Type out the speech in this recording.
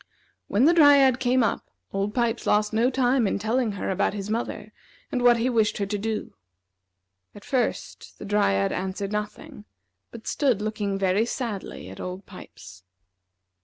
When the Dryad came up, Old Pipes lost no time in telling her about his mother, and what he wished her to do. At first, the Dryad answered nothing, but stood looking very sadly at Old Pipes.